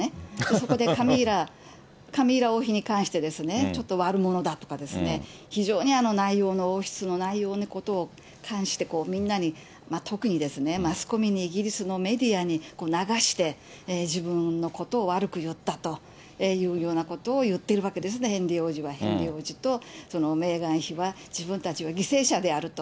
そこでカミラ王妃に関してちょっと悪者だとかですね、非常に内容の、王室の内容のことに関して、みんなに、特に、マスコミに、イギリスのメディアに流して、自分のことを悪く言ったというようなことを言ってるわけですね、ヘンリー王子は、ヘンリー王子とそのメーガン妃は自分たちは犠牲者であると。